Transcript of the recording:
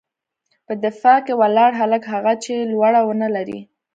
_په دفاع کې ولاړ هلک، هغه چې لوړه ونه لري.